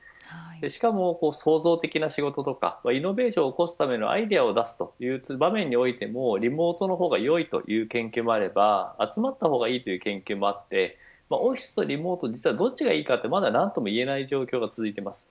しかも創造的な仕事とかイノベーションを起こすためのアイデアを出すという場面においてリモートの方がよいという研究もあれば、集まった方がいいという研究もあってオフィスとリモートどちらがいいかまだ何とも言えない状況が続いています。